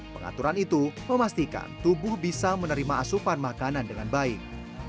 pengaturan itu memastikan tubuh bisa menerima asupan makanan dengan baik